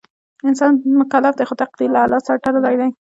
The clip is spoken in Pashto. انسان مکلف دی خو تقدیر له الله سره تړلی دی.